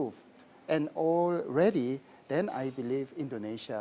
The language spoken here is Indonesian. sudah dipercaya dan sudah siap